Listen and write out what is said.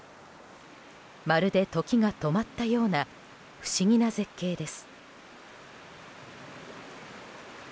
まるで時が止まったような不思議な絶景です。